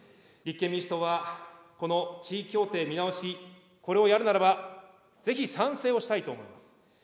立憲民主党はこの地位協定見直し、これをやるならば、ぜひ賛成をしたいと思います。